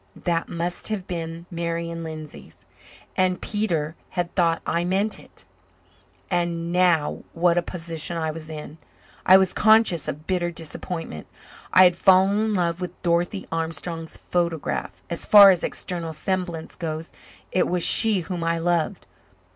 That must have been Marian Lindsay's, and Peter had thought I meant it. And now what a position I was in! I was conscious of bitter disappointment. I had fallen in love with Dorothy Armstrong's photograph. As far as external semblance goes it was she whom I loved.